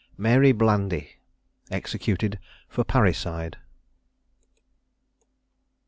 MARY BLANDY. EXECUTED FOR PARRICIDE.